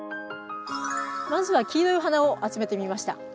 まずは黄色いお花を集めてみました。